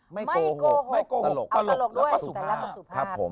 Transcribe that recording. ไม่โกหกตลกแล้วประสุทธิ์